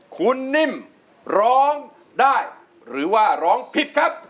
คุณนิ่มร้องได้หรือว่าร้องผิดครับ